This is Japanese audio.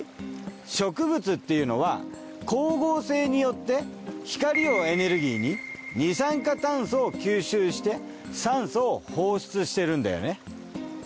植物っていうのは光合成によって光をエネルギーに二酸化炭素を吸収して酸素を放出してるんだよね。